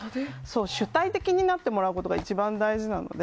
主体的になってもらうことが一番大事なので。